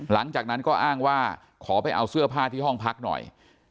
หลังจากนั้นก็อ้างว่าขอไปเอาเสื้อผ้าที่ห้องพักหน่อย